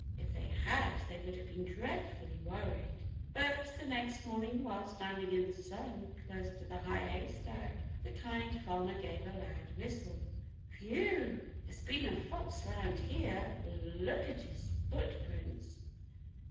If they had they would have been dreadfully worried. But the next morning while standing in the sun close to the High Haystack the Kind Farmer gave a loud whistle. "Whew! There's been a fox around here. Look at his footprints!"